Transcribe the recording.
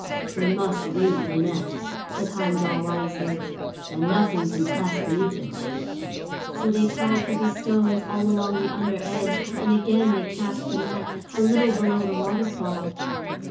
"We must weight the net," said Heimdal wisely; "then nothing can pass beneath it." So they tied heavy stones all along the under edge, and again they cast the net, a little below the waterfall.